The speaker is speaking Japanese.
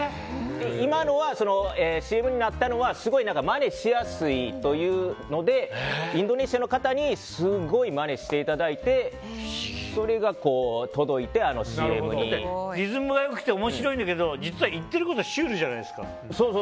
今のは、ＣＭになったのはまねしやすいということでインドネシアの方にすごいまねしていただいてリズムが良くて面白いんだけど実は言ってることシュールじゃないですか。